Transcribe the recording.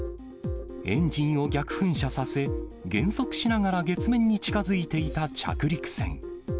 エンジンを逆噴射させ、減速しながら月面に近づいていた着陸船。